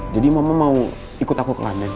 jadi mama mau ikut aku ke landang